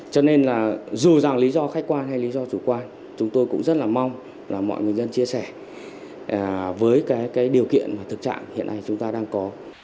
cho nên là dù rằng lý do khách quan hay lý do chủ quan chúng tôi cũng rất là mong là mọi người dân chia sẻ với cái điều kiện và thực trạng hiện nay chúng ta đang có